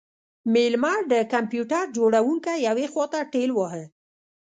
میلمه د کمپیوټر جوړونکی یوې خواته ټیل واهه